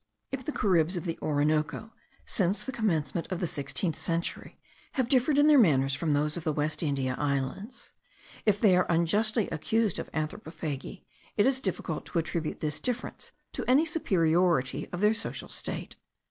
If the Caribs of the Orinoco, since the commencement of the sixteenth century, have differed in their manners from those of the West India Islands; if they are unjustly accused of anthropophagy; it is difficult to attribute this difference to any superiority of their social state.